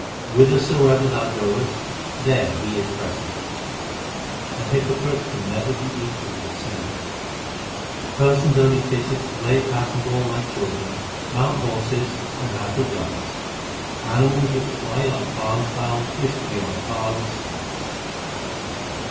Whithersoever thou goest, there is He present. A hypocrite can never be equal to a saint : Persons only fitted to play at bat and ball like children, mount horses and handle guns. T2 276 THE SIKH RELIGION Animals which fly like barn fowl wish to be on a par with swans.